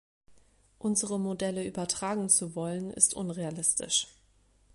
Unsere Modelle übertragen zu wollen, ist unrealistisch.